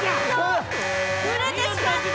触れてしまった！